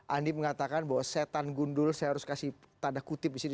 andi mengatakan bahwa setan gundul saya harus kasih tanda kutip di sini